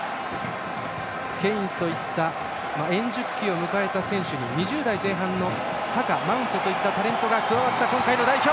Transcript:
ケインといった円熟期を迎えた選手に２０代前半のサカマウントといったタレントが加わった今回の代表。